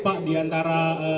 sudah sebentar ya